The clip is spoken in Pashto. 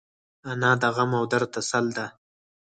انا د غم او درد تسل ده